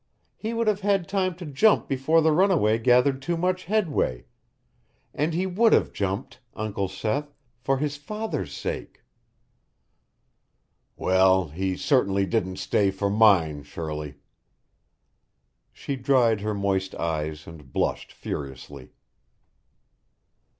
He would have had time to jump before the runaway gathered too much headway and he would have jumped, Uncle Seth, for his father's sake." "Well, he certainly didn't stay for mine, Shirley." She dried her moist eyes and blushed furiously.